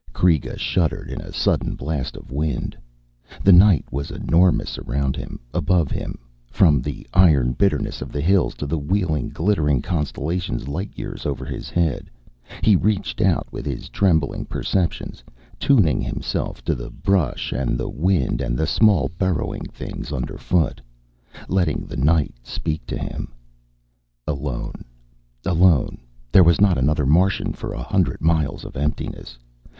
_ Kreega shuddered in a sudden blast of wind. The night was enormous around him, above him, from the iron bitterness of the hills to the wheeling, glittering constellations light years over his head. He reached out with his trembling perceptions, tuning himself to the brush and the wind and the small burrowing things underfoot, letting the night speak to him. Alone, alone. There was not another Martian for a hundred miles of emptiness.